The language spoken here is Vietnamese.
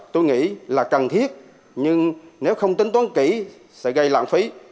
tôi nghĩ là cần thiết nhưng nếu không tính toán kỹ sẽ gây lãng phí